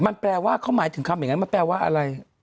มันแปลว่าเขาหมายถึงคำอย่างนั้นมันแปลว่าอะไร